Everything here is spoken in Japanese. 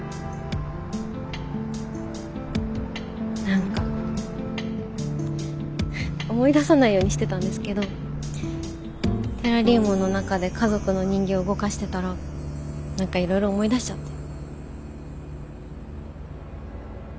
何か思い出さないようにしてたんですけどテラリウムの中で家族の人形動かしてたら何かいろいろ思い出しちゃって。